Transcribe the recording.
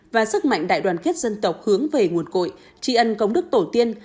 và sức mạnh đại đoàn kết dân tộc hướng về nguồn cội tri ân công đức tổ tiên